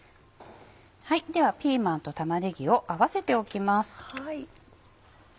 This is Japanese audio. ではピーマンと玉ねぎを合わせておきます。